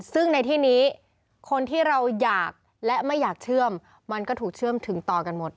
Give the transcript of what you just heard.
ซึ่งในที่นี้คนที่เราอยากและไม่อยากเชื่อมมันก็ถูกเชื่อมถึงต่อกันหมด